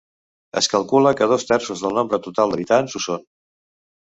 Es calcula que dos terços del nombre total d'habitants ho són.